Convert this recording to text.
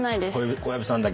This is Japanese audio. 小籔さんだけ？